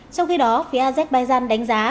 trong khi đó phía azerbaijan đánh giá